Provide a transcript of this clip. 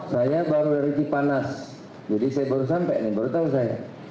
saya baru dari cipanas jadi saya baru sampai nih baru tahu saya